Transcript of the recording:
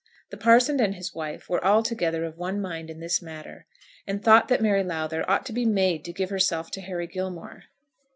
The parson and his wife were altogether of one mind in this matter, and thought that Mary Lowther ought to be made to give herself to Harry Gilmore.